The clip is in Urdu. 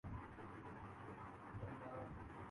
ان کی نااہلی کا ڈھنڈورا ظاہر ہے۔